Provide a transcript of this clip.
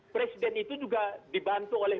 presiden itu juga dibantu oleh